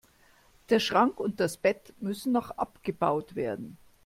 Der Schrank und das Bett müssen noch abgebaut werden.